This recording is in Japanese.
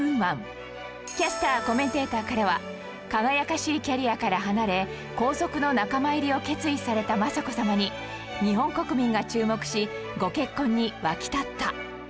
キャスターコメンテーターからは「輝かしいキャリアから離れ皇族の仲間入りを決意された雅子さまに日本国民が注目しご結婚に沸き立った」